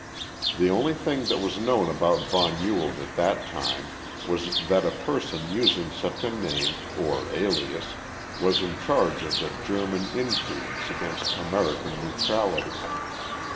The only thing that was known about von Ewald at that time was that a person using such a name or alias was in charge of the German intrigues against American neutrality.